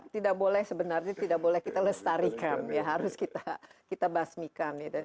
tidak boleh sebenarnya kita lestarikan harus kita basmikan